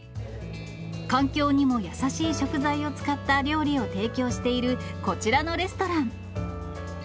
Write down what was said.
環境にも優しい食材を使った料理を提供しているこちらのレストラン。